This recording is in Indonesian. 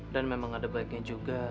dan memang ada baiknya juga